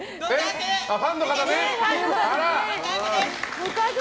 ファンの方ですね。